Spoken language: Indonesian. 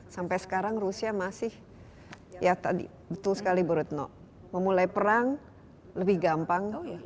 sampai sekarang rusia masih ya betul sekali borutno memulai perang lebih gampang